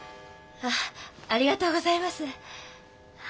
ありがとうございます。